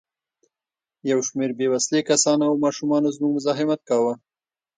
یو شمېر بې وسلې کسانو او ماشومانو زموږ مزاحمت کاوه.